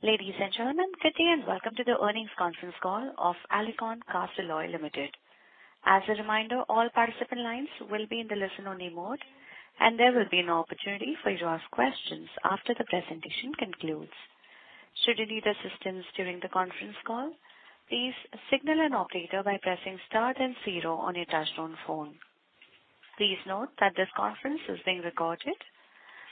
Ladies and gentlemen, good day, and welcome to the earnings conference call of Alicon Castalloy Limited. As a reminder, all participant lines will be in the listen-only mode, and there will be an opportunity for you to ask questions after the presentation concludes. Should you need assistance during the conference call, please signal an operator by pressing star and zero on your touch-tone phone. Please note that this conference is being recorded.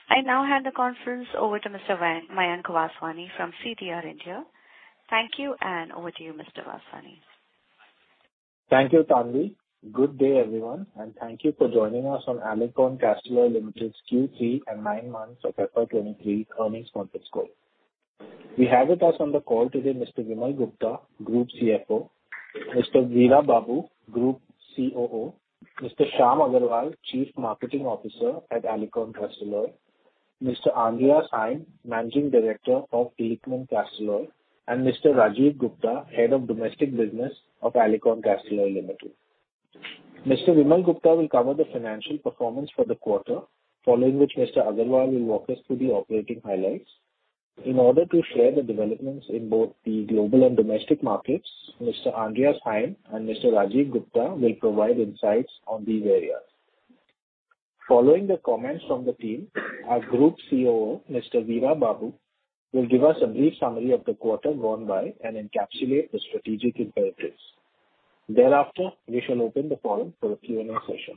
I now hand the conference over to Mr. Mayank Vaswani from CDR India. Thank you, and over to you, Mr. Vaswani. Thank you, Tanvi. Good day, everyone, and thank you for joining us on Alicon Castalloy Limited's Q3 and nine months of FY23 earnings conference call. We have with us on the call today Mr. Vimal Gupta, Group CFO; Mr. Veera Babu, Group COO; Mr. Shyam Agarwal, Chief Marketing Officer at Alicon Castalloy; Mr. Andreas Heim, Managing Director of Alicon Castalloy; and Mr. Rajiv Gupta, Head of Domestic Business of Alicon Castalloy Limited. Mr. Vimal Gupta will cover the financial performance for the quarter, following which Mr. Agarwal will walk us through the operating highlights. In order to share the developments in both the global and domestic markets, Mr. Andreas Heim and Mr. Rajiv Gupta will provide insights on these areas. Following the comments from the team, our Group COO, Mr. Veera Babu, will give us a brief summary of the quarter gone by and encapsulate the strategic imperatives. Thereafter, we shall open the forum for a Q&A session.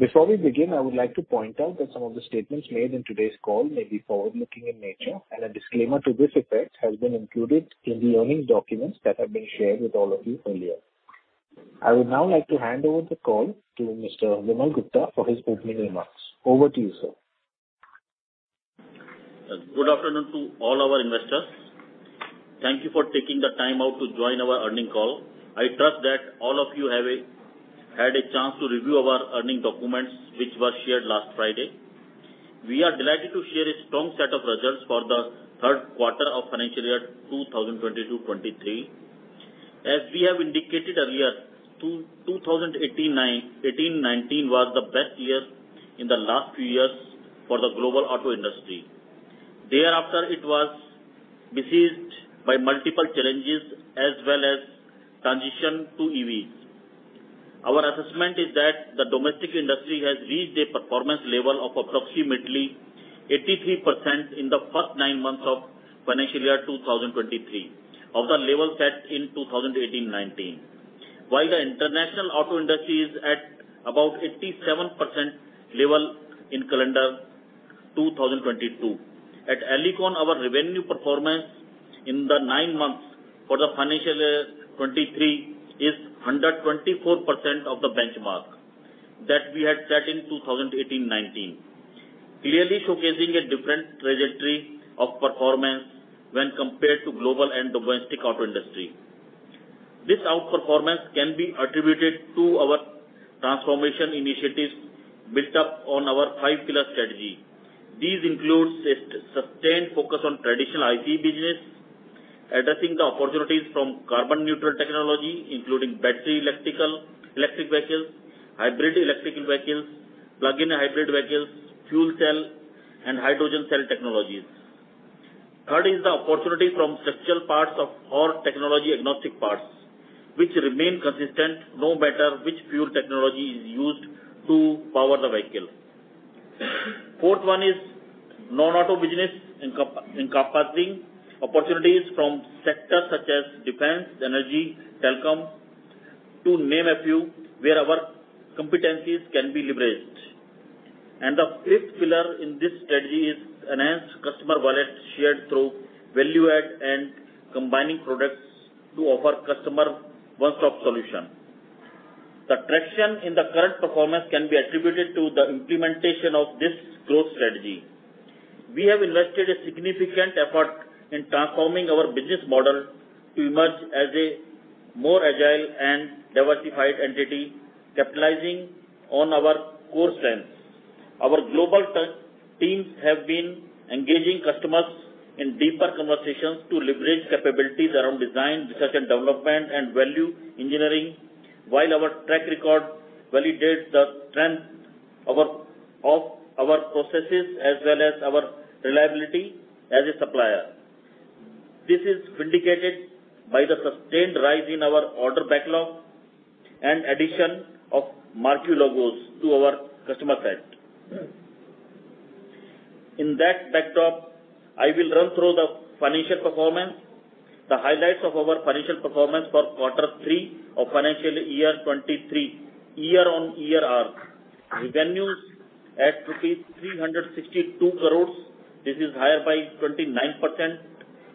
Before we begin, I would like to point out that some of the statements made in today's call may be forward-looking in nature, and a disclaimer to this effect has been included in the earning documents that have been shared with all of you earlier. I would now like to hand over the call to Mr. Vimal Gupta for his opening remarks. Over to you, sir. Good afternoon to all our investors. Thank you for taking the time out to join our earnings call. I trust that all of you had a chance to review our earnings documents, which were shared last Friday. We are delighted to share a strong set of results for the third quarter of financial year 2022/2023. As we have indicated earlier, 2018/2019 was the best year in the last few years for the global auto industry. It was besieged by multiple challenges as well as transition to EVs. Our assessment is that the domestic industry has reached a performance level of approximately 83% in the first nine months of financial year 2023 of the level set in 2018/2019. The international auto industry is at about 87% level in calendar 2022. At Alicon, our revenue performance in the nine months for the financial year 2023 is 124% of the benchmark that we had set in 2018/19, clearly showcasing a different trajectory of performance when compared to global and domestic auto industry. This outperformance can be attributed to our transformation initiatives built up on our five pillar strategy. These include sustained focus on traditional ICE business, addressing the opportunities from carbon neutral technology, including battery electric vehicles, hybrid electric vehicles, plug-in hybrid vehicles, fuel cell and hydrogen cell technologies. Third is the opportunity from structural parts of all technology agnostic parts, which remain consistent, no matter which fuel technology is used to power the vehicle. Fourth one is non-auto business encompassing opportunities from sectors such as defense, energy, telecom, to name a few, where our competencies can be leveraged. The fifth pillar in this strategy is enhanced customer wallet shared through value add and combining products to offer customer one-stop solution. The traction in the current performance can be attributed to the implementation of this growth strategy. We have invested a significant effort in transforming our business model to emerge as a more agile and diversified entity capitalizing on our core strengths. Our global tech teams have been engaging customers in deeper conversations to leverage capabilities around design, research and development, and value engineering, while our track record validates the strength of our processes as well as our reliability as a supplier. This is vindicated by the sustained rise in our order backlog and addition of marquee logos to our customer set. I will run through the financial performance. The highlights of our financial performance for Q3 of financial year 2023 year-on-year are: Revenues at rupees 362 crore. This is higher by 29%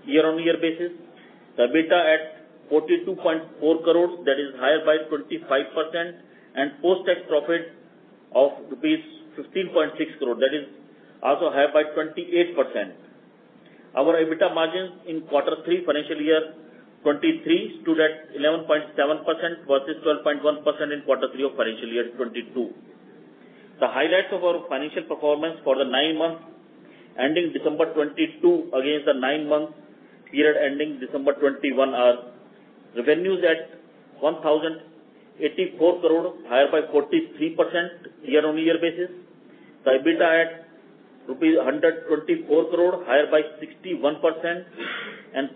year-on-year basis. The EBITDA at 42.4 crore, that is higher by 25%. Post-tax profit of rupees 15.6 crore, that is also higher by 28%. Our EBITDA margins in Q3 financial year 2023 stood at 11.7% versus 12.1% in Q3 of financial year 2022. The highlights of our financial performance for the nine months ending December 2022 against the nine-month period ending December 2021 are: Revenues at 1,084 crore, higher by 43% year-on-year basis. The EBITDA at rupees 124 crore, higher by 61%.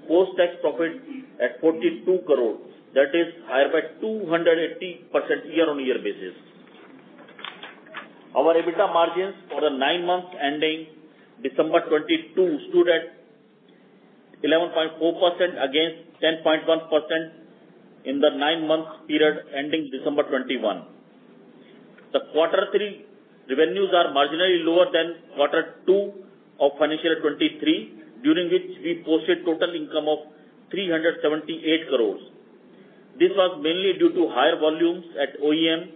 Post-tax profit at 42 crores, that is higher by 280% year-on-year basis. Our EBITDA margins for the 9 months ending December 2022 stood at 11.4% against 10.1% in the 9-month period ending December 2021. The Q3 revenues are marginally lower than Q2 of financial year 2023, during which we posted total income of 378 crores. This was mainly due to higher volumes at OEM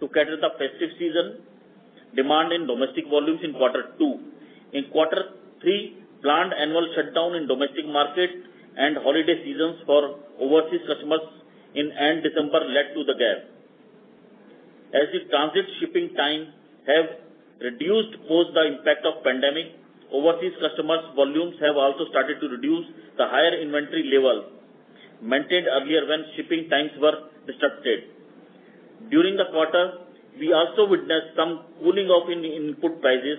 to cater the festive season, demand in domestic volumes in Q2. In Q3, plant annual shutdown in domestic markets and holiday seasons for overseas customers in end December led to the gap. As the transit shipping time have reduced post the impact of pandemic, overseas customers' volumes have also started to reduce the higher inventory level maintained earlier when shipping times were disrupted. During the quarter, we also witnessed some cooling off in the input prices,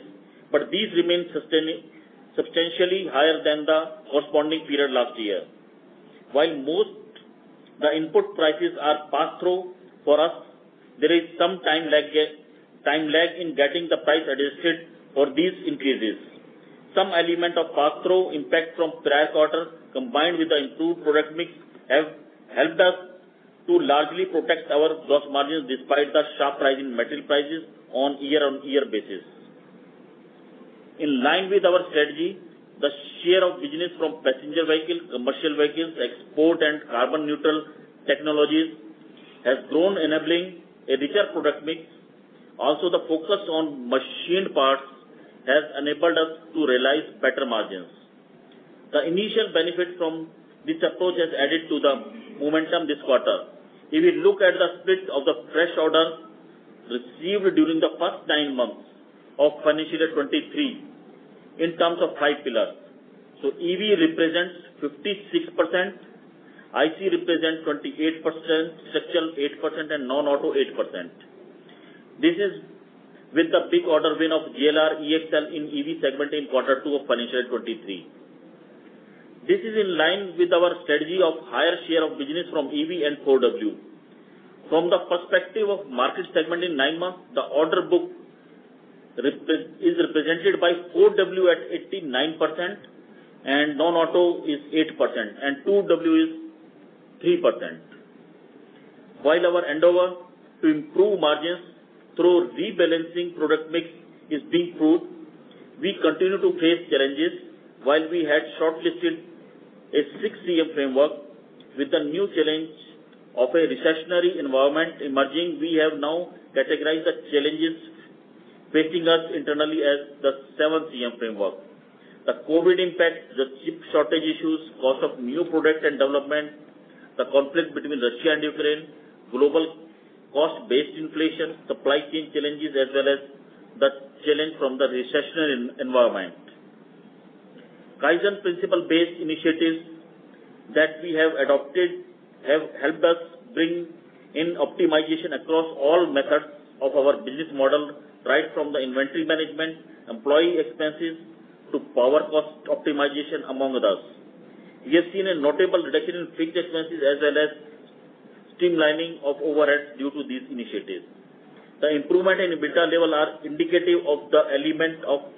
but these remain substantially higher than the corresponding period last year. While most the input prices are pass-through for us, there is some time lag in getting the price adjusted for these increases. Some element of pass-through impact from prior quarters, combined with the improved product mix, have helped us to largely protect our gross margins despite the sharp rise in material prices on year-on-year basis. In line with our strategy, the share of business from passenger vehicles, commercial vehicles, export, and carbon neutral technologies has grown, enabling a richer product mix. Also, the focus on machined parts has enabled us to realize better margins. The initial benefit from this approach has added to the momentum this quarter. If you look at the split of the fresh orders received during the first nine months of financial year 23 in terms of five pillars. EV represents 56%, IC represents 28%, structural 8%, and non-auto 8%. This is with the big order win of JLR EXL in EV segment in quarter two of financial 23. This is in line with our strategy of higher share of business from EV and 4W. From the perspective of market segment in nine months, the order book is represented by 4W at 89% and non-auto is 8%, and 2W is 3%. While our endeavor to improve margins through rebalancing product mix is being proved, we continue to face challenges. While we had shortlisted a six CM framework with a new challenge of a recessionary environment emerging, we have now categorized the challenges facing us internally as the seven CM framework. The COVID impact, the chip shortage issues, cost of new product and development, the conflict between Russia and Ukraine, global cost-based inflation, supply chain challenges, as well as the challenge from the recessionary environment. Kaizen principle-based initiatives that we have adopted have helped us bring in optimization across all methods of our business model, right from the inventory management, employee expenses, to power cost optimization, among others. We have seen a notable reduction in fixed expenses as well as streamlining of overheads due to these initiatives. The improvement in EBITDA level are indicative of the element of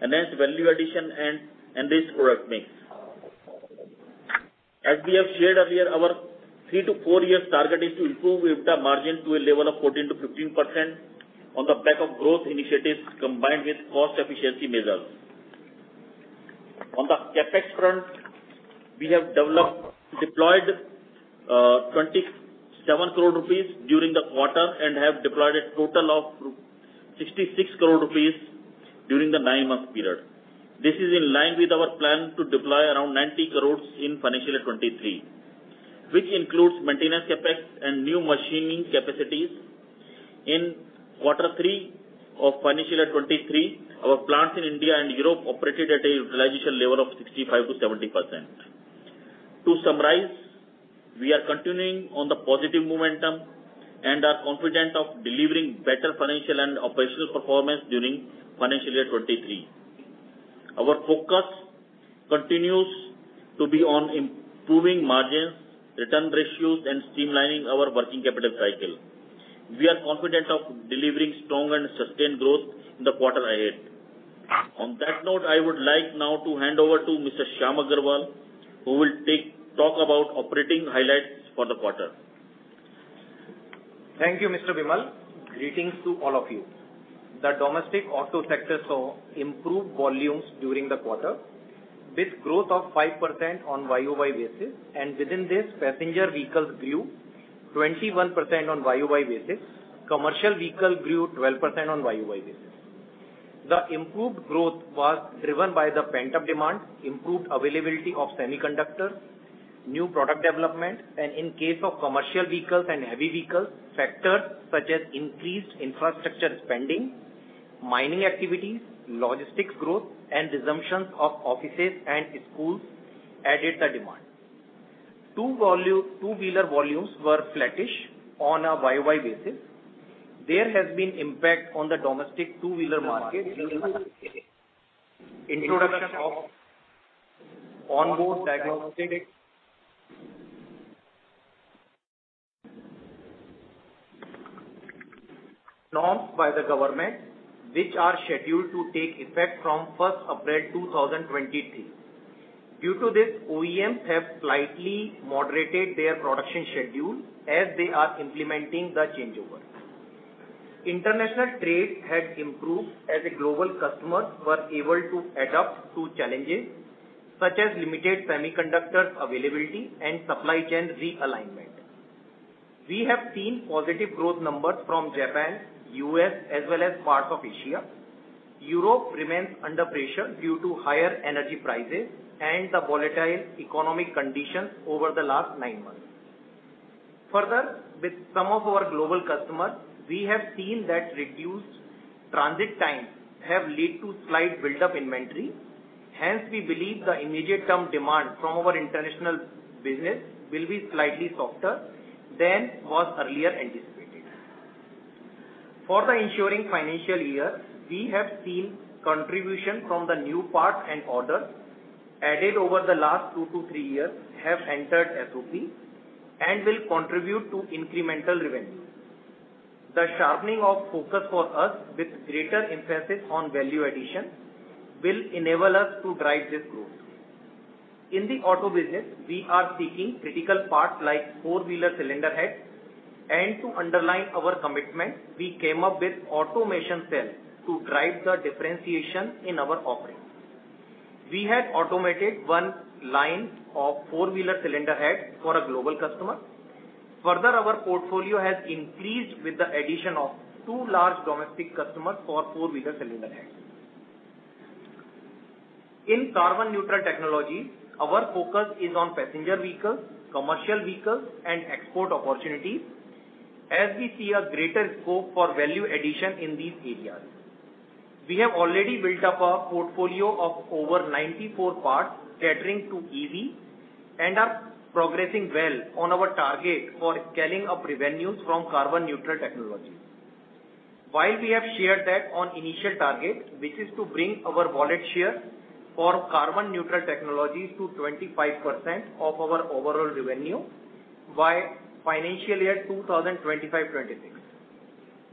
enhanced value addition and this product mix. As we have shared earlier, our three to four year target is to improve EBITDA margin to a level of 14%-15% on the back of growth initiatives combined with cost efficiency measures. On the CapEx front, we have deployed 27 crore rupees during the quarter and have deployed a total of 66 crore rupees during the nine-month period. This is in line with our plan to deploy around 90 crore in financial year 2023, which includes maintenance CapEx and new machining capacities. In Q3 of financial year 2023, our plants in India and Europe operated at a utilization level of 65%-70%. To summarize, we are continuing on the positive momentum and are confident of delivering better financial and operational performance during financial year 2023. Our focus continues to be on improving margins, return ratios, and streamlining our working capital cycle. We are confident of delivering strong and sustained growth in the quarter ahead. On that note, I would like now to hand over to Mr. Shyam Agarwal, who will talk about operating highlights for the quarter. Thank you, Mr. Vimal. Greetings to all of you. The domestic auto sector saw improved volumes during the quarter, with growth of 5% on YOY basis. Within this, passenger vehicles grew 21% on YOY basis. Commercial vehicle grew 12% on YOY basis. The improved growth was driven by the pent-up demand, improved availability of semiconductors, new product development. In case of commercial vehicles and heavy vehicles, factors such as increased infrastructure spending, mining activities, logistics growth, and resumption of offices and schools added the demand. Two-wheeler volumes were flattish on a YOY basis. There has been impact on the domestic two-wheeler market Introduction of onboard diagnostics norms by the government, which are scheduled to take effect from 1st April 2023. Due to this, OEMs have slightly moderated their production schedule as they are implementing the changeover. International trade had improved as the global customers were able to adapt to challenges such as limited semiconductors availability and supply chain realignment. We have seen positive growth numbers from Japan, U.S., as well as parts of Asia. Europe remains under pressure due to higher energy prices and the volatile economic conditions over the last nine months. With some of our global customers, we have seen that reduced transit times have led to slight buildup inventory. We believe the immediate term demand from our international business will be slightly softer than was earlier anticipated. For the ensuing financial year, we have seen contribution from the new parts and orders added over the last two to three years have entered SOP and will contribute to incremental revenue. The sharpening of focus for us with greater emphasis on value addition will enable us to drive this growth. In the auto business, we are seeking critical parts like four-wheeler cylinder heads. To underline our commitment, we came up with automation cells to drive the differentiation in our offerings. We have automated one line of four-wheeler cylinder heads for a global customer. Our portfolio has increased with the addition of two large domestic customers for four-wheeler cylinder heads. In carbon neutral technology, our focus is on passenger vehicles, commercial vehicles, and export opportunities as we see a greater scope for value addition in these areas. We have already built up a portfolio of over 94 parts catering to EV and are progressing well on our target for scaling up revenues from carbon neutral technology. We have shared that on initial targets, which is to bring our wallet share for carbon neutral technologies to 25% of our overall revenue by financial year 2025-26.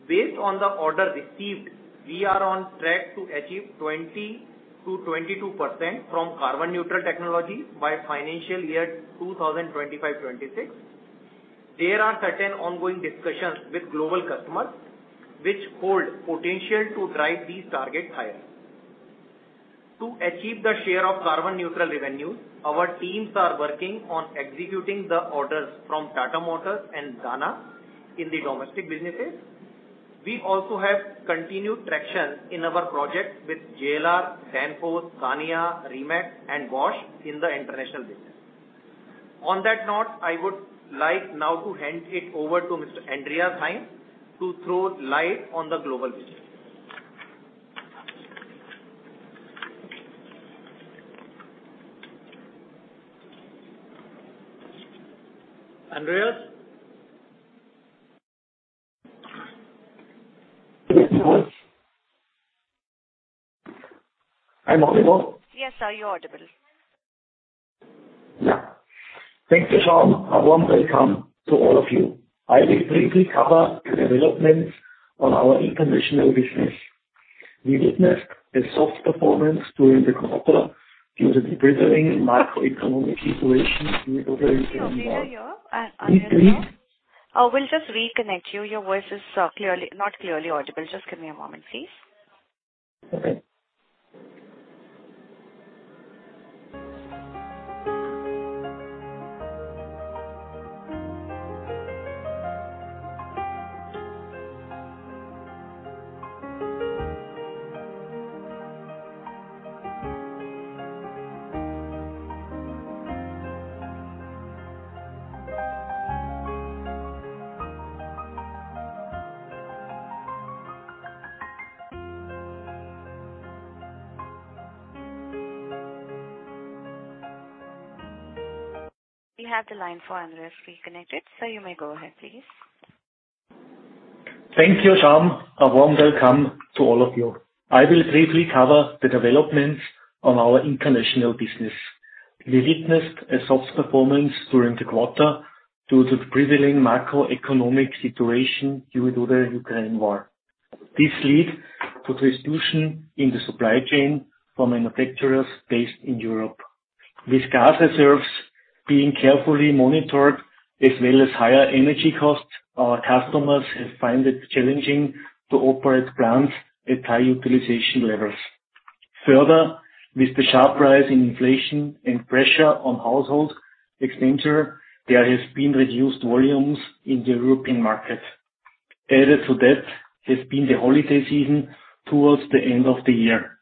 Based on the order received, we are on track to achieve 20%-22% from carbon neutral technology by financial year 2025-2026. There are certain ongoing discussions with global customers which hold potential to drive these targets higher. To achieve the share of carbon neutral revenues, our teams are working on executing the orders from Tata Motors and Dana in the domestic businesses. We also have continued traction in our projects with JLR, Danfoss, Scania, Rimac, and Bosch in the international business. On that note, I would like now to hand it over to Mr. Andreas Heim to throw light on the global business. Andreas? Yes. Hello. Am I audible? Yes, sir. You're audible. Yeah. Thank you, Shyam. A warm welcome to all of you. I will briefly cover the developments on our international business. We witnessed a soft performance during the quarter due to the prevailing macroeconomic situation due to the Ukraine war. Sir, do you hear your, Andreas? We'll just reconnect you. Your voice is not clearly audible. Just give me a moment, please. Okay. We have the line for Andreas reconnected. Sir, you may go ahead, please. Thank you, Shyam. A warm welcome to all of you. I will briefly cover the developments on our international business. We witnessed a soft performance during the quarter due to the prevailing macroeconomic situation due to the Ukraine war. This led to distribution in the supply chain from manufacturers based in Europe. With gas reserves being carefully monitored as well as higher energy costs, our customers have found it challenging to operate plants at high utilization levels. Further, with the sharp rise in inflation and pressure on household expenditure, there has been reduced volumes in the European market. Added to that has been the holiday season towards the end of the year.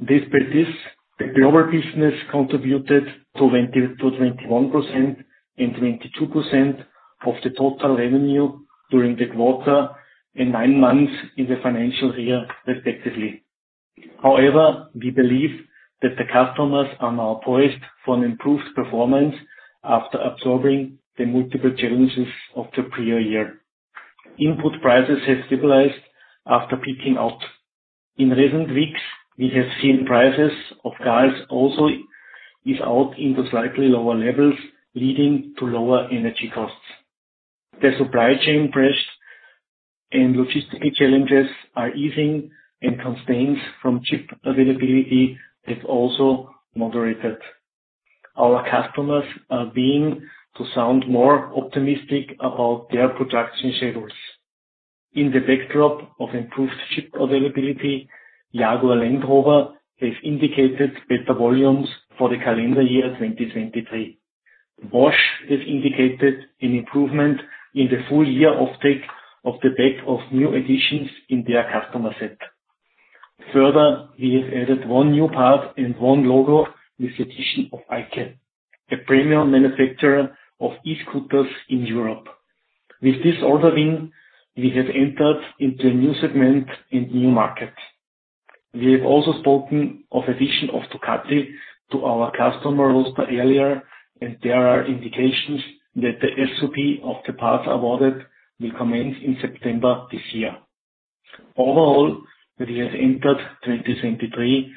Despite this, the global business contributed to 20%-21% and 22% of the total revenue during the quarter and 9 months in the financial year respectively. However, we believe that the customers are now poised for an improved performance after absorbing the multiple challenges of the prior year. Input prices have stabilized after peaking out. In recent weeks, we have seen prices of cars also ease out into slightly lower levels, leading to lower energy costs. The supply chain pressures and logistical challenges are easing, and constraints from chip availability has also moderated. Our customers are beginning to sound more optimistic about their production schedules. In the backdrop of improved chip availability, Jaguar Land Rover have indicated better volumes for the calendar year 2023. Bosch has indicated an improvement in the full year offtake of the back of new additions in their customer set. Further, we have added one new part and one logo with the addition of eike, a premium manufacturer of e-scooters in Europe. With this ordering, we have entered into a new segment and new market. We have also spoken of addition of Ducati to our customer roster earlier, and there are indications that the SOP of the parts awarded will commence in September this year. Overall, we have entered 2023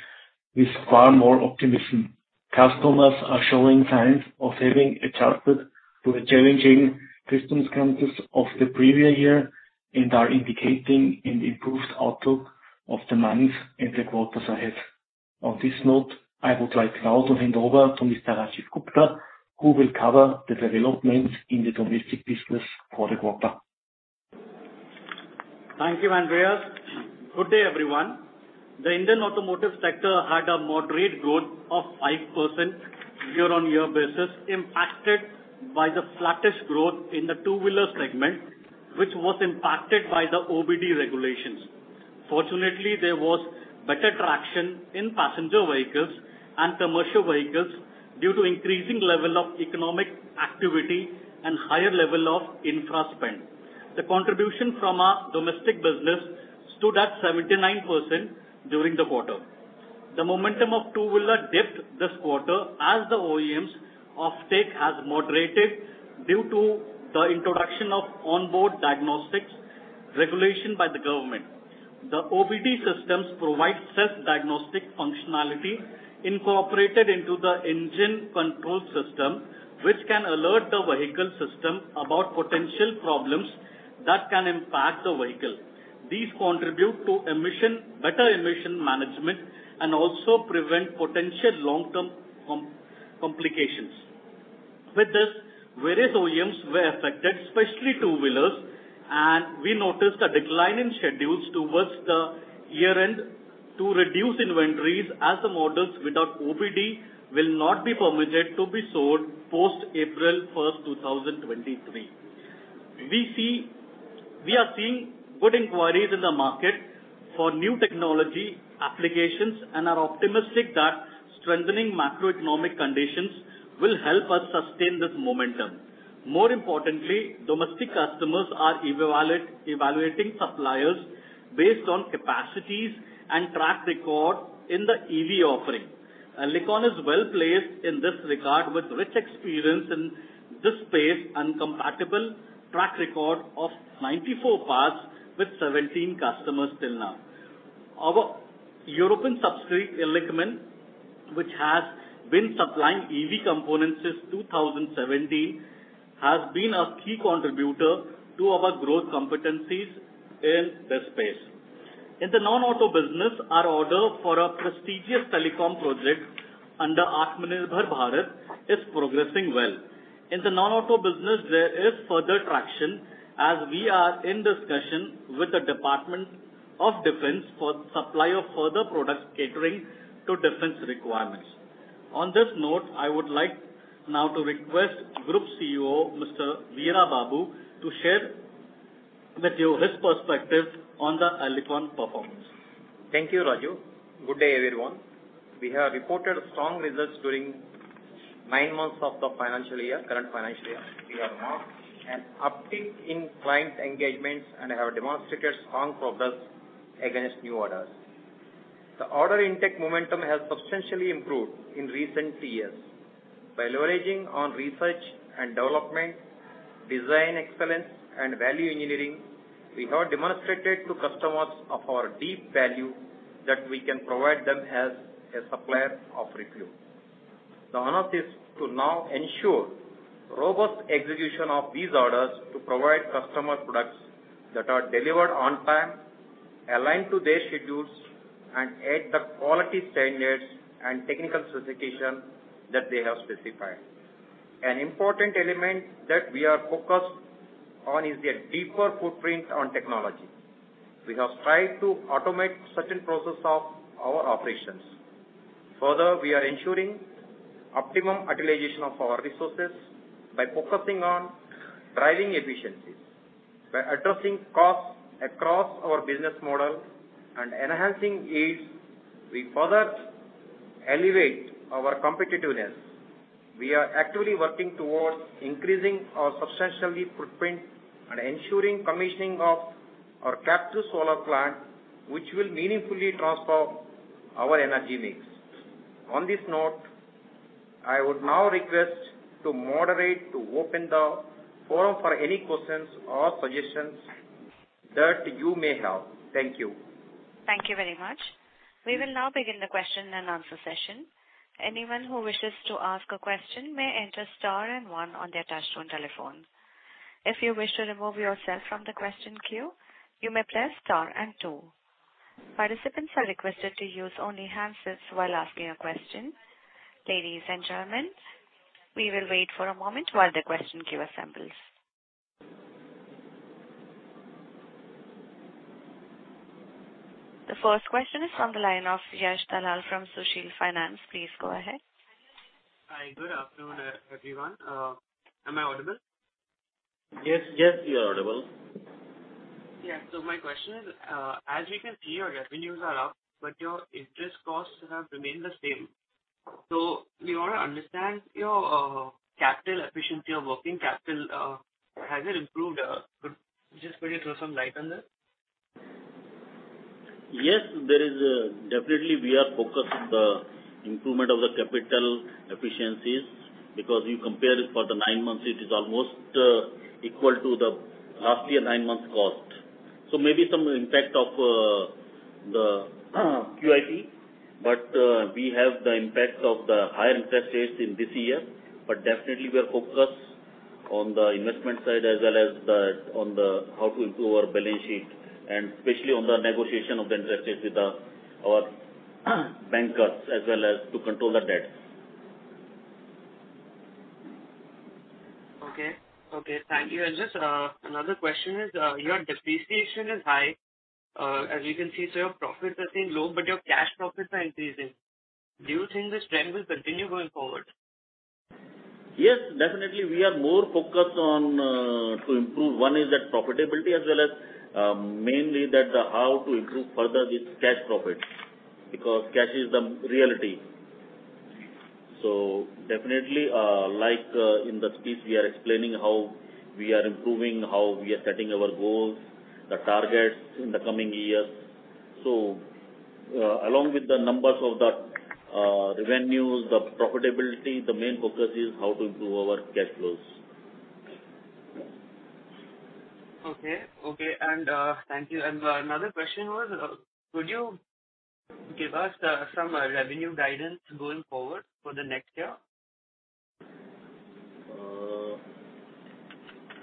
with far more optimism. Customers are showing signs of having adjusted to the challenging circumstances of the previous year and are indicating an improved outlook of the months and the quarters ahead. On this note, I would like now to hand over to Mr. Rajiv Gupta, who will cover the developments in the domestic business for the quarter. Thank you, Andreas. Good day, everyone. The Indian automotive sector had a moderate growth of 5% year-on-year basis, impacted by the flattest growth in the two-wheeler segment, which was impacted by the OBD regulations. Fortunately, there was better traction in passenger vehicles and commercial vehicles due to increasing level of economic activity and higher level of infra spend. The contribution from our domestic business stood at 79% during the quarter. The momentum of two-wheeler dipped this quarter as the OEMs offtake has moderated due to the introduction of onboard diagnostics regulation by the government. The OBD systems provide self-diagnostic functionality incorporated into the engine control system, which can alert the vehicle system about potential problems that can impact the vehicle. These contribute to better emission management and also prevent potential long-term complications. With this, various OEMs were affected, especially two-wheelers, and we noticed a decline in schedules towards the year-end to reduce inventories as the models without OBD will not be permitted to be sold post April 1st, 2023. We are seeing good inquiries in the market for new technology applications and are optimistic that strengthening macroeconomic conditions will help us sustain this momentum. More importantly, domestic customers are evaluating suppliers based on capacities and track record in the EV offering. Alicon is well-placed in this regard with rich experience in this space and compatible track record of 94 parts with 17 customers till now. Our European subsidiary, Illichmann, which has been supplying EV components since 2017, has been a key contributor to our growth competencies in this space. In the non-auto business, our order for a prestigious telecom project under Atmanirbhar Bharat is progressing well. In the non-auto business, there is further traction as we are in discussion with the Department of Defence for supply of further products catering to defense requirements. On this note, I would like now to request Group CEO, Mr. Veera Babu, to share with you his perspective on the Alicon performance. Thank you, Rajiv. Good day, everyone. We have reported strong results during nine months of the financial year, current financial year. We have marked an uptick in client engagements and have demonstrated strong progress against new orders. The order intake momentum has substantially improved in recent years. By leveraging on research and development, design excellence, and value engineering, we have demonstrated to customers of our deep value that we can provide them as a supplier of repute. The honor is to now ensure robust execution of these orders to provide customer products that are delivered on time, aligned to their schedules, and at the quality standards and technical specification that they have specified. An important element that we are focused on is a deeper footprint on technology. We have strived to automate certain process of our operations. We are ensuring Optimum utilization of our resources by focusing on driving efficiencies. By addressing costs across our business model and enhancing it, we further elevate our competitiveness. We are actively working towards increasing our substantially footprint and ensuring commissioning of our captive solar plant, which will meaningfully transform our energy mix. On this note, I would now request the moderate to open the forum for any questions or suggestions that you may have. Thank you. Thank you very much. We will now begin the question and answer session. Anyone who wishes to ask a question may enter star one on their touchtone telephones. If you wish to remove yourself from the question queue, you may press star two. Participants are requested to use only hands-free while asking a question. Ladies and gentlemen, we will wait for a moment while the question queue assembles. The first question is from the line of Yash Dalal from Sushil Finance. Please go ahead. Hi. Good afternoon, everyone. Am I audible? Yes, yes, you're audible. Yeah. My question is, as we can see, your revenues are up, but your interest costs have remained the same. We want to understand your capital efficiency of working capital, has it improved? Could you just maybe throw some light on that? Definitely we are focused on the improvement of the capital efficiencies because you compare it for the nine months, it is almost equal to the last year nine months cost. Maybe some impact of the QIP, but we have the impacts of the higher interest rates in this year. Definitely we are focused on the investment side as well as the, on the how to improve our balance sheet, and especially on the negotiation of the interest rates with our bankers as well as to control the debt. Okay. Okay. Thank you. Just another question is your depreciation is high, as you can see, so your profits are staying low, but your cash profits are increasing. Do you think this trend will continue going forward? Definitely we are more focused on to improve. One is that profitability as well as mainly that how to improve further this cash profits, because cash is the reality. Definitely, like, in the speech we are explaining how we are improving, how we are setting our goals, the targets in the coming years. Along with the numbers of the revenues, the profitability, the main focus is how to improve our cash flows. Okay. Okay. Thank you. Another question was, could you give us some revenue guidance going forward for the next year?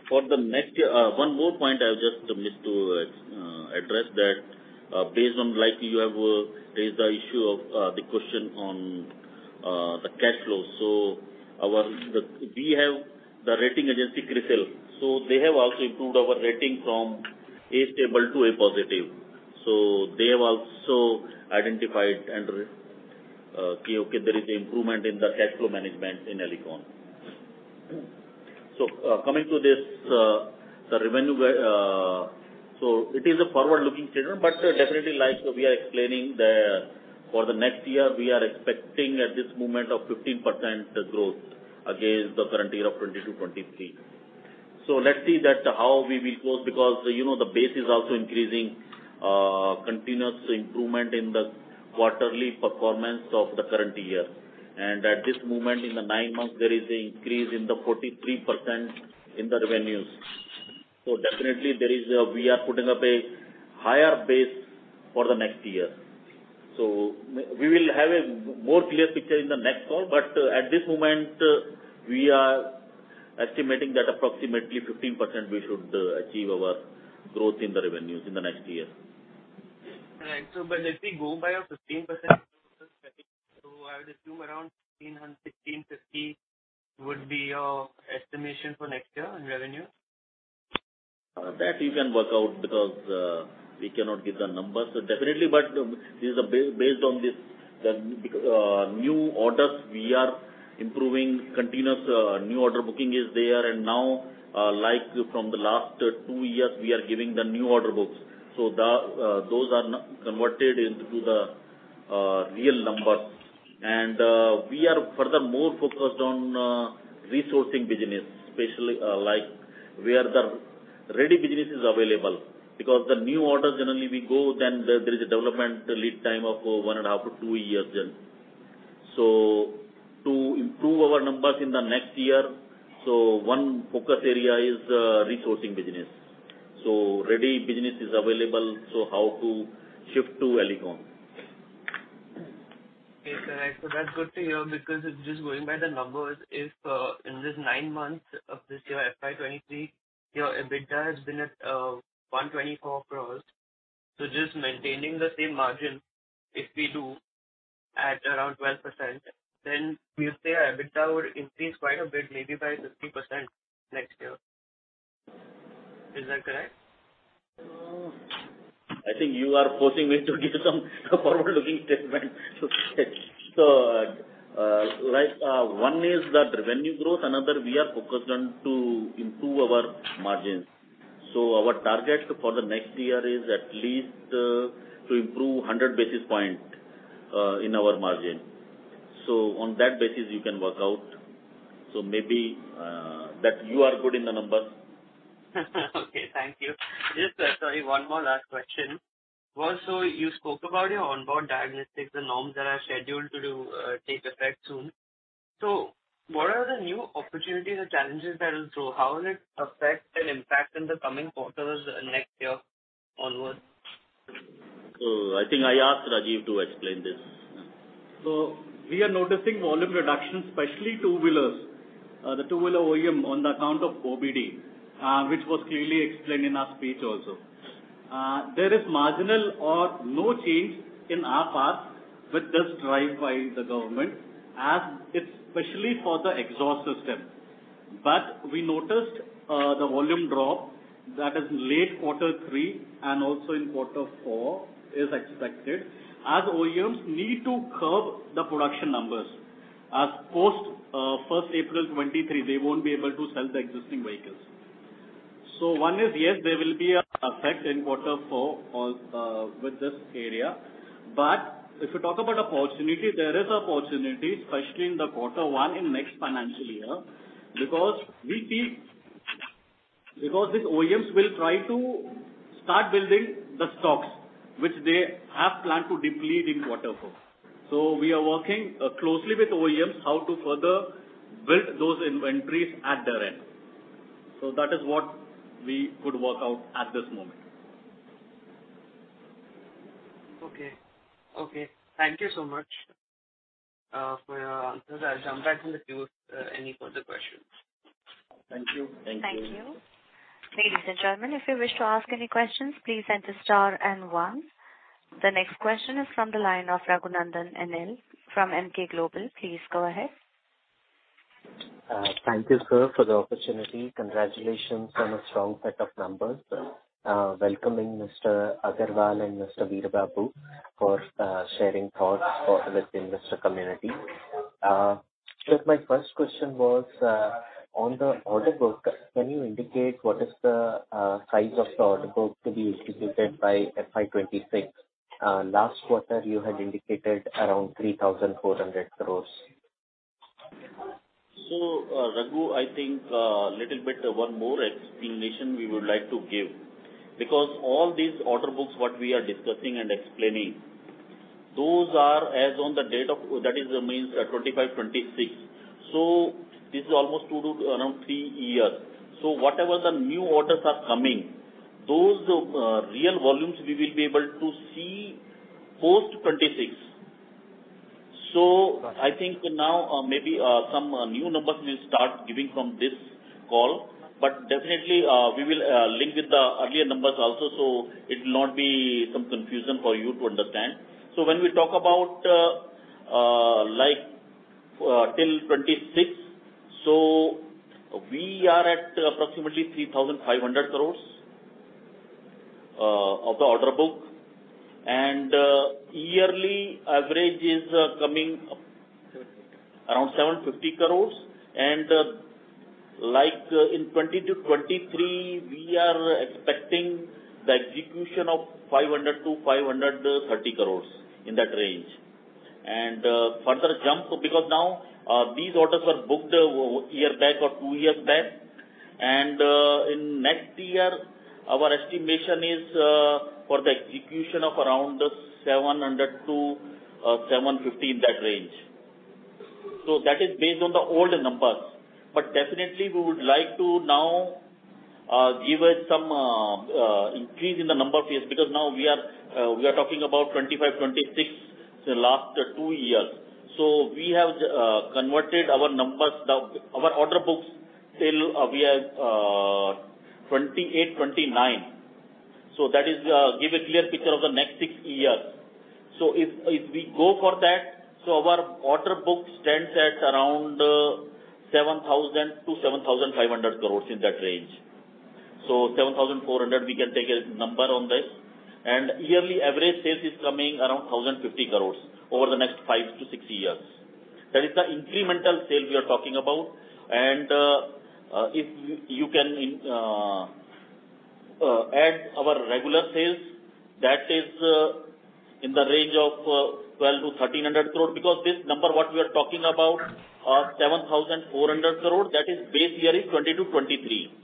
For the next year... one more point I'll just miss to address that, based on likely you have raised the issue of the question on the cash flows. We have the rating agency CRISIL, they have also improved our rating from A stable to A positive. They have also identified and see, okay, there is improvement in the cash flow management in Alicon. Coming to this, the revenue, it is a forward-looking statement, but definitely like we are explaining the, for the next year, we are expecting at this moment of 15% growth against the current year of 2022, 2023. Let's see that how we will close because, you know, the base is also increasing, continuous improvement in the quarterly performance of the current year. At this moment in the nine months there is an increase in the 43% in the revenues. Definitely there is a we are putting up a higher base for the next year. We will have a more clear picture in the next call. At this moment we are estimating that approximately 15% we should achieve our growth in the revenues in the next year. If we go by your 15% so I would assume around 1,500 crore-1,550 crore would be your estimation for next year in revenue. That you can work out because we cannot give the numbers. Definitely, this is based on this, the new orders we are improving continuous new order booking is there. Like from the last two years we are giving the new order books. Those are now converted into the real numbers. We are furthermore focused on resourcing business, especially like where the ready business is available. Because the new orders generally we go then there is a development lead time of 1.5-2 years then. To improve our numbers in the next year, one focus area is resourcing business. Ready business is available, how to shift to Alicon. Correct. That's good to hear because if just going by the numbers, if, in this nine months of this year, FY23, your EBITDA has been at 124 crores. Just maintaining the same margin, if we do at around 12%, then we say our EBITDA would increase quite a bit, maybe by 50% next year. Is that correct? I think you are forcing me to give some forward-looking statement. One is the revenue growth. Another, we are focused on to improve our margins. Our target for the next year is at least to improve 100 basis point in our margin. On that basis, you can work out. Maybe that you are good in the numbers. Okay, thank you. Just, sorry, one more last question. Also, you spoke about your onboard diagnostics, the norms that are scheduled to take effect soon. What are the new opportunities or challenges that will show? How will it affect and impact in the coming quarters and next year onwards? I think I ask Rajiv to explain this. We are noticing volume reduction, especially two-wheelers. The two-wheeler OEM on the account of OBD, which was clearly explained in our speech also. There is marginal or no change in our part with this drive by the government, as it's especially for the exhaust system. We noticed the volume drop that is in late quarter three and also in quarter four is expected, as OEMs need to curb the production numbers. Post 1st April 2023, they won't be able to sell the existing vehicles. One is, yes, there will be a effect in quarter four with this area. If you talk about opportunity, there is opportunity, especially in the quarter one in next financial year because we feel. These OEMs will try to start building the stocks which they have planned to deplete in quarter four. We are working, closely with OEMs how to further build those inventories at their end. That is what we could work out at this moment. Okay, thank you so much for your answers. I'll jump back in the queue if any further questions. Thank you. Thank you. Thank you. Ladies and gentlemen, if you wish to ask any questions, please enter star and one. The next question is from the line of Raghunandhan N L from Emkay Global. Please go ahead. Thank you, sir, for the opportunity. Congratulations on a strong set of numbers. Welcoming Mr. Agarwal and Mr. Veera Babu for sharing thoughts for with the investor community. My first question was on the order book. Can you indicate what is the size of the order book to be executed by FY26? Last quarter you had indicated around 3,400 crores. Raghu, I think, little bit one more explanation we would like to give. All these order books, what we are discussing and explaining, those are as on the date of, that is, means, 2025, 2026. This is almost 2 to around 3 years. Whatever the new orders are coming, those real volumes we will be able to see post 2026. I think now, maybe, some new numbers we'll start giving from this call, but definitely, we will link with the earlier numbers also, so it'll not be some confusion for you to understand. When we talk about, like, till 2026, we are at approximately 3,500 crores of the order book. And yearly average is coming around INR 750 crores. like, in 2020-2023, we are expecting the execution of 500 crore-530 crore, in that range. further jump, because now these orders are booked a year back or two years back. in next year, our estimation is for the execution of around 700 crore-750 crore, in that range. That is based on the old numbers. definitely we would like to now give it some increase in the number phase, because now we are talking about 2025, 2026, so last two years. we have converted our numbers, the our order books till we are 2028, 2029. That is give a clear picture of the next six years. If we go for that, our order book stands at around 7,000-7,500 crore, in that range. 7,400 we can take a number on this. Yearly average sales is coming around 1,050 crore over the next five to six years. That is the incremental sale we are talking about. If you can add our regular sales, that is in the range of 1,200-1,300 crore. Because this number what we are talking about, 7,400 crore, that is base year is 2020-2023.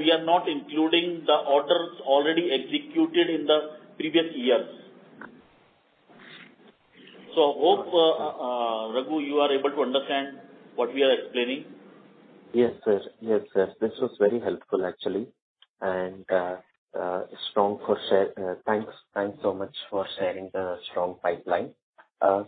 We are not including the orders already executed in the previous years. Hope, Raghu, you are able to understand what we are explaining. Yes, sir. Yes, sir. This was very helpful actually. strong for share. Thanks so much for sharing the strong pipeline.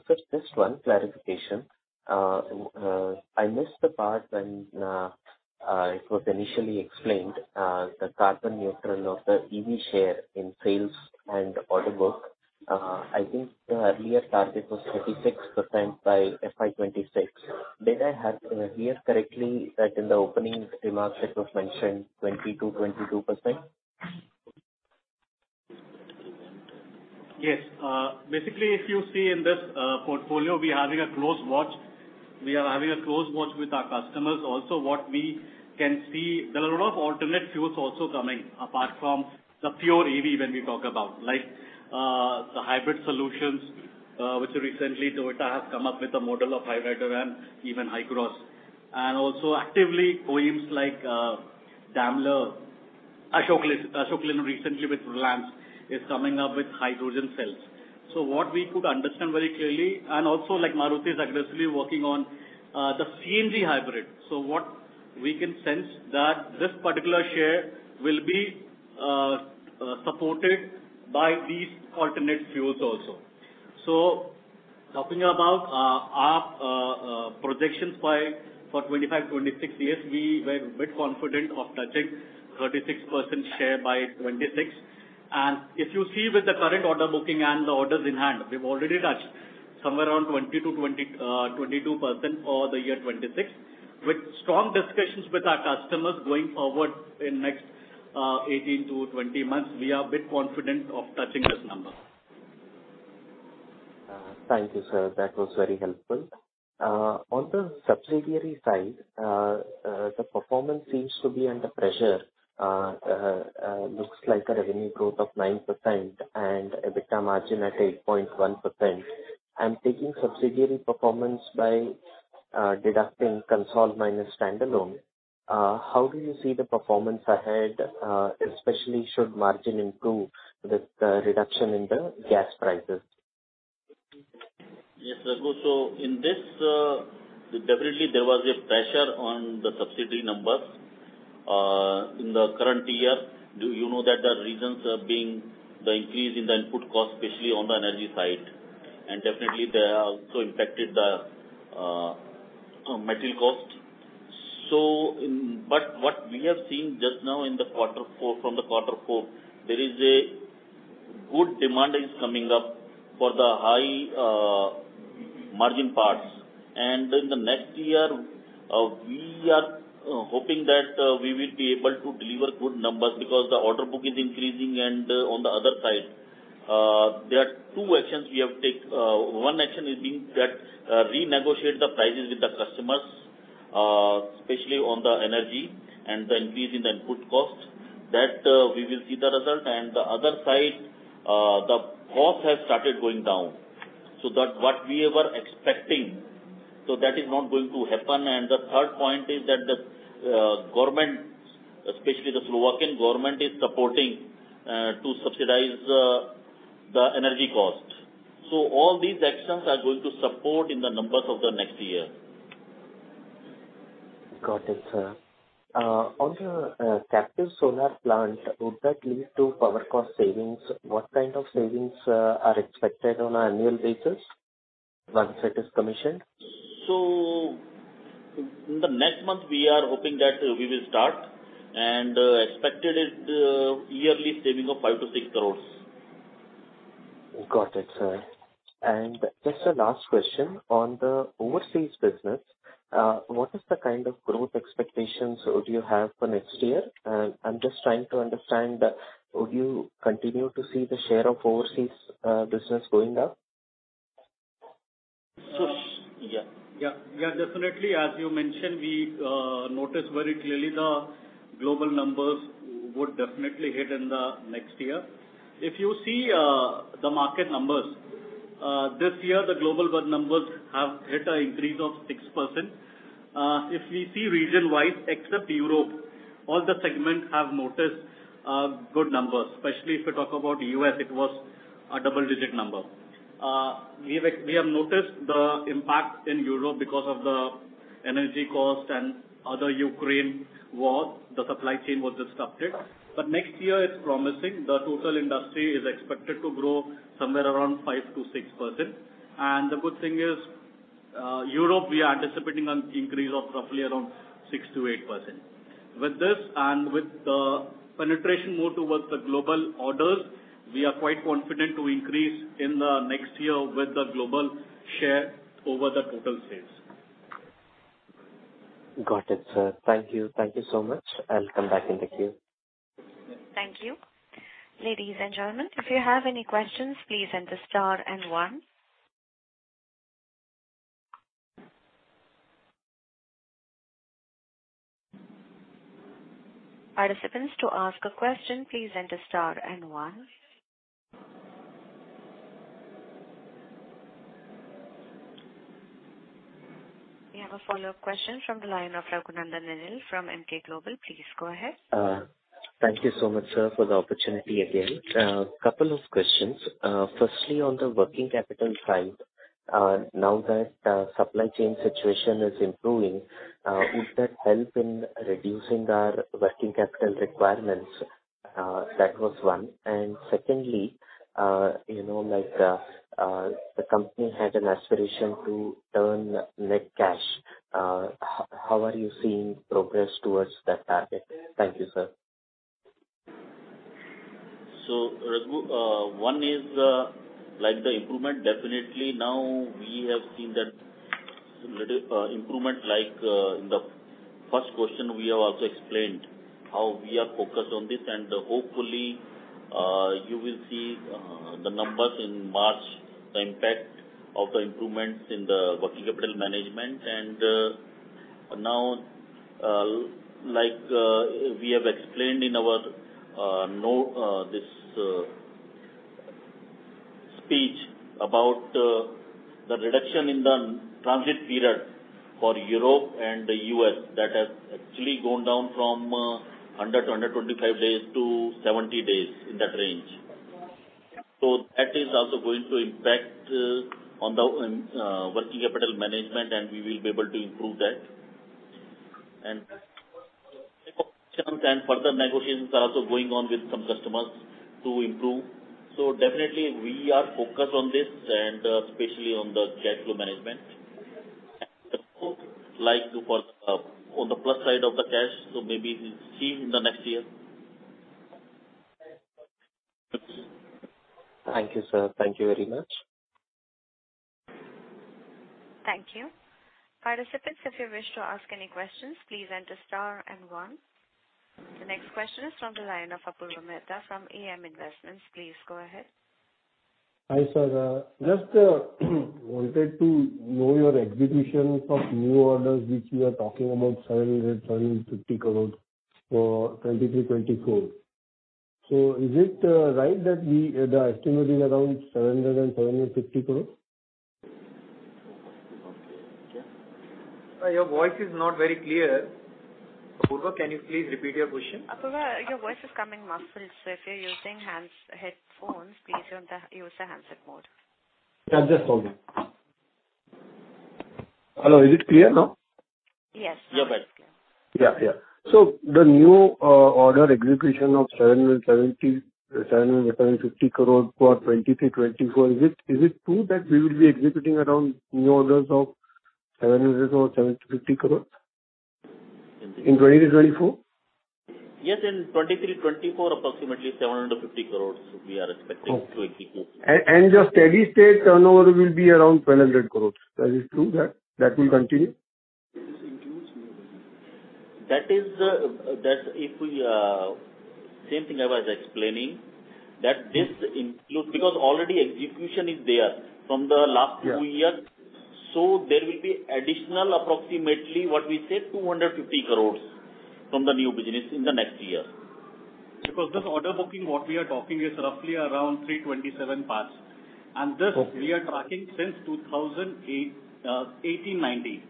Just this one clarification. I missed the part when it was initially explained, the carbon neutral of the EV share in sales and order book. I think the earlier target was 36% by FY26. Did I hear correctly that in the opening remarks it was mentioned 20%-22%? Yes. Basically, if you see in this portfolio, we are having a close watch. We are having a close watch with our customers. What we can see, there are a lot of alternate fuels also coming apart from the pure EV when we talk about like the hybrid solutions, which recently Toyota has come up with a model of hybrid and even HyCross. Actively OEMs like Daimler, Ashok Leyland recently with Ballard is coming up with hydrogen cells. What we could understand very clearly and also like Maruti is aggressively working on the CNG hybrid. What we can sense that this particular share will be supported by these alternate fuels also. Talking about our projections by for 2025, 2026 years, we were a bit confident of touching 36% share by 2026. If you see with the current order booking and the orders in hand, we've already touched somewhere around 22% for the year 2026. With strong discussions with our customers going forward in next 18 to 20 months, we are a bit confident of touching this number. Thank you, sir. That was very helpful. On the subsidiary side, the performance seems to be under pressure. Looks like a revenue growth of 9% and EBITDA margin at 8.1%. I'm taking subsidiary performance by deducting consol minus standalone. How do you see the performance ahead, especially should margin improve with the reduction in the gas prices? Yes, Ragu. In this, definitely there was a pressure on the subsidiary numbers in the current year. Do you know that the reasons are being the increase in the input cost, especially on the energy side, and definitely they are also impacted the material cost. But what we have seen just now in the quarter four, from the quarter four, there is a good demand is coming up for the high margin parts. In the next year, we are hoping that we will be able to deliver good numbers because the order book is increasing. On the other side, there are two actions we have take. One action is being that renegotiate the prices with the customers, especially on the energy and the increase in the input costs, that we will see the result. The other side, the cost has started going down. That what we were expecting, that is not going to happen. The third point is that the government, especially the Slovakian government, is supporting to subsidize the energy cost. All these actions are going to support in the numbers of the next year. Got it, sir. On the captive solar plant, would that lead to power cost savings? What kind of savings are expected on an annual basis once it is commissioned? In the next month we are hoping that we will start and expected it, yearly saving of 5-6 crores. Got it, sir. Just a last question on the overseas business. What is the kind of growth expectations would you have for next year? I'm just trying to understand, would you continue to see the share of overseas business going up? So- Yeah. Yeah. Yeah, definitely. As you mentioned, we noticed very clearly the global numbers would definitely hit in the next year. If you see the market numbers, this year the global numbers have hit a increase of 6%. If we see region-wise, except Europe, all the segments have noticed good numbers, especially if you talk about U.S., it was a double-digit number. We have noticed the impact in Europe because of the energy cost and other Ukraine War, the supply chain was disrupted. Next year it's promising. The total industry is expected to grow somewhere around 5%-6%. The good thing is, Europe we are anticipating an increase of roughly around 6%-8%. With this and with the penetration more towards the global orders, we are quite confident to increase in the next year with the global share over the total sales. Got it, sir. Thank you. Thank you so much. I'll come back in the queue. Thank you. Ladies and gentlemen, if you have any questions, please enter star one. Participants, to ask a question, please enter star one. We have a follow-up question from the line of Raghunandhan N L from Emkay Global. Please go ahead. Thank you so much, sir, for the opportunity again. Couple of questions. Firstly, on the working capital front, now that, supply chain situation is improving, would that help in reducing our working capital requirements? That was one. Secondly, you know, like, the company had an aspiration to turn net cash. How are you seeing progress towards that target? Thank you, sir. One is like the improvement. Definitely now we have seen that little improvement like in the first question we have also explained how we are focused on this. Hopefully, you will see the numbers in March, the impact of the improvements in the working capital management. Now, like, we have explained in our no, this speech about the reduction in the transit period for Europe and the U.S. that has actually gone down from under 225 days to 70 days, in that range. That is also going to impact on the working capital management, and we will be able to improve that. Negotiations and further negotiations are also going on with some customers to improve. Definitely we are focused on this and especially on the cash flow management. We would like to on the plus side of the cash, so maybe we'll see in the next year. Thank you, sir. Thank you very much. Thank you. Participants, if you wish to ask any questions, please enter star and 1. The next question is from the line of Apurva Mehta from AM Investments. Please go ahead. Hi, sir. Just wanted to know your execution of new orders, which you are talking about 700 crores-750 crores for 2023-2024. Is it right that we are estimating around 700 crores-750 crores? Sir, your voice is not very clear. Apurva, can you please repeat your question? Apurva, your voice is coming muffled, so if you're using headphones, please use the handset mode. Yeah, just told me. Hello. Is it clear now? Yes. You're better. The new order execution of 775 crores for 2023-2024, is it true that we will be executing around new orders of 700 crores or 750 crores in 2023-2024? Yes, in 2023, 2024, approximately 750 crores we are expecting to execute. The steady state turnover will be around 1,000 crores. Is it true that that will continue? Same thing I was explaining, that this includes because already execution is there from the last two years. There will be additional approximately what we say, 250 crores from the new business in the next year. Because this order booking, what we are talking is roughly around 327 parts. This we are tracking since 2008, 2018, 2019.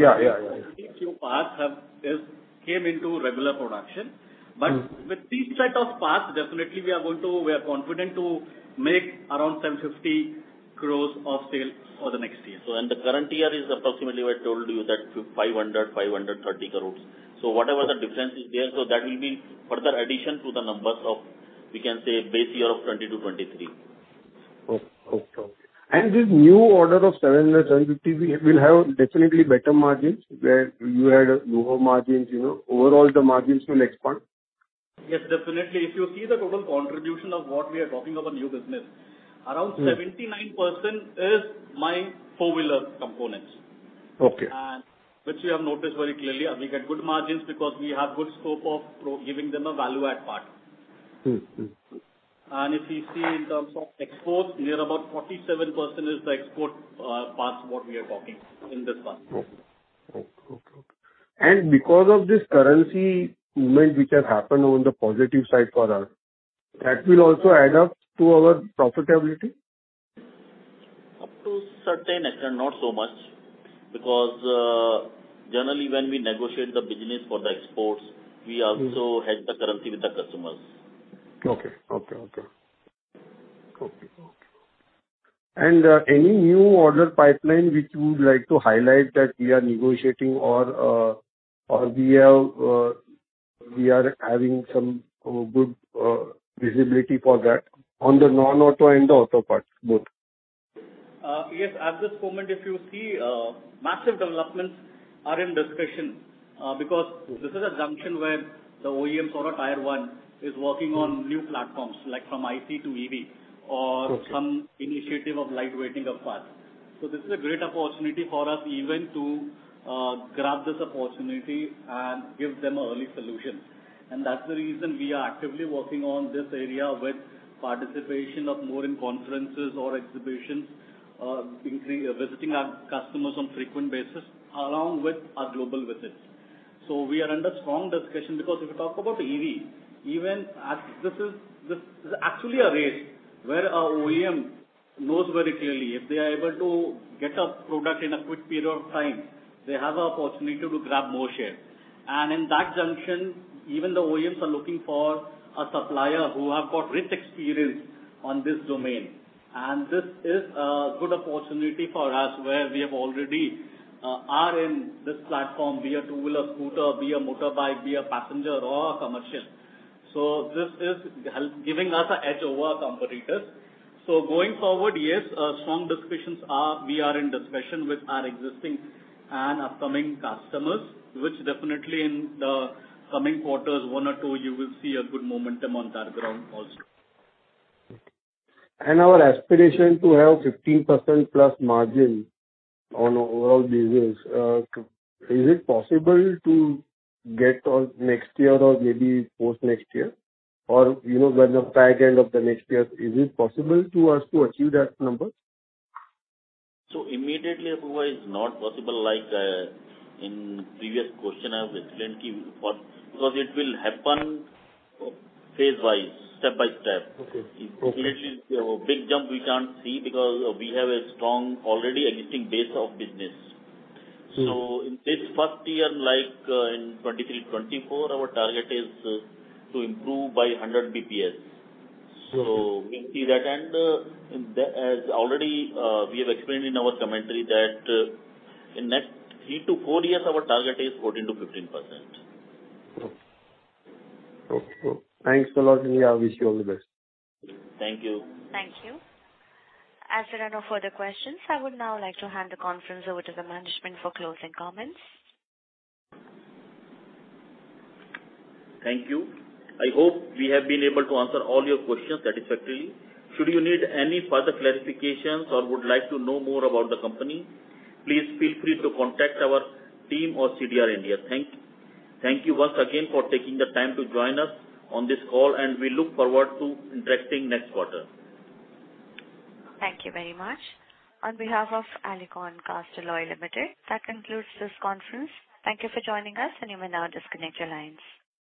Yeah, yeah. Few parts have just came into regular production. With this set of parts, definitely we are confident to make around 750 crores of sales for the next year. The current year is approximately what I told you, that 500-530 crores. Whatever the difference is there, that will be further addition to the numbers of, we can say base year of 2022-2023. Okay. this new order of 750 will have definitely better margins where you had lower margins, you know, overall the margins will expand. Definitely. If you see the total contribution of what we are talking about new business, around 79% is my four-wheeler components. Okay. Which we have noticed very clearly and we get good margins because we have good scope of giving them a value add part. Mm-hmm. If you see in terms of exports, we are about 47% is the export, parts what we are talking in this one. Okay. Because of this currency movement which has happened on the positive side for us, that will also add up to our profitability? Up to certain extent, not so much, because generally when we negotiate the business for the exports, we also hedge the currency with the customers. Okay. Any new order pipeline which you would like to highlight that we are negotiating or we have, we are having some good visibility for that on the non-auto and the auto parts both? Yes, at this moment if you see, massive developments are in discussion, because this is a junction where the OEMs or a tier one is working on new platforms like from IC to EV or some initiative of light weighting of parts. This is a great opportunity for us even to grab this opportunity and give them early solutions. That's the reason we are actively working on this area with participation of more in conferences or exhibitions, visiting our customers on frequent basis along with our global visits. We are under strong discussion because if you talk about EV, even as this is actually a race where our OEM knows very clearly, if they are able to get a product in a quick period of time, they have an opportunity to grab more share. In that junction, even the OEMs are looking for a supplier who have got rich experience on this domain. This is a good opportunity for us where we have already are in this platform, be a two-wheeler scooter, be a motorbike, be a passenger or a commercial. This is help giving us a edge over our competitors. Going forward, yes, strong discussions are, we are in discussion with our existing and upcoming customers, which definitely in the coming quarters, one or two, you will see a good momentum on that ground also. Our aspiration to have 15% plus margin on overall business, is it possible to get on next year or maybe post next year? You know, when the back end of the next year, is it possible to us to achieve that number? Immediately, Apurva, it's not possible like, in previous question I have explained to you first because it will happen phase-wise, step-by-step. Okay. Immediately, a big jump we can't see because we have a strong already existing base of business. In this first year, like, in 2023-2024, our target is to improve by 100 basis points. We'll see that. As already, we have explained in our commentary that in next three to four years, our target is 14%-15%. Okay. Okay, cool. Thanks a lot, and yeah, I wish you all the best. Thank you. Thank you. As there are no further questions, I would now like to hand the conference over to the management for closing comments. Thank you. I hope we have been able to answer all your questions satisfactorily. Should you need any further clarifications or would like to know more about the company, please feel free to contact our team or CDR India. Thank you once again for taking the time to join us on this call, and we look forward to interacting next quarter. Thank you very much. On behalf of Alicon Castalloy Limited, that concludes this conference. Thank you for joining us, and you may now disconnect your lines.